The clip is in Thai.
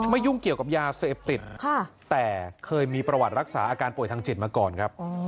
ยุ่งเกี่ยวกับยาเสพติดแต่เคยมีประวัติรักษาอาการป่วยทางจิตมาก่อนครับ